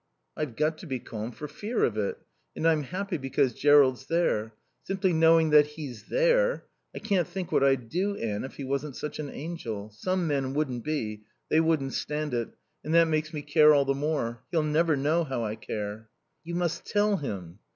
"I've got to be calm for fear of it. And I'm happy because Jerrold's there. Simply knowing that he's there.... I can't think what I'd do, Anne, if he wasn't such an angel. Some men wouldn't be. They wouldn't stand it. And that makes me care all the more. He'll never know how I care." "You must tell him."